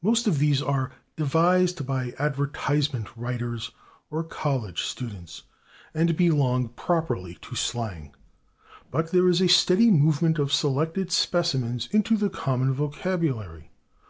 Most of these are devised by advertisement writers or college students, and belong properly to slang, but there is a steady movement of selected specimens into the common vocabulary.